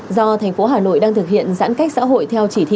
do thành phố hà nội đang thực hiện giãn cách xã hội theo chỉ thị